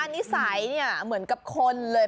นิสัยเหมือนกับคนเลย